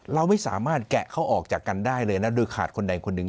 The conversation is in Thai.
เราไม่สามารถแกะเขาออกจากกันได้เลยนะโดยขาดคนใดคนหนึ่ง